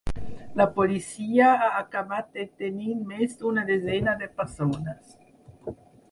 La policia ha acabat detenint més d’una desena de persones.